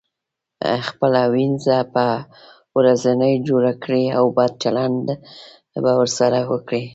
خپله وينځه به ورځنې جوړه کړئ او بد چلند به ورسره وکړئ.